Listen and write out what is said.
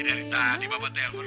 dari tadi bapak telfon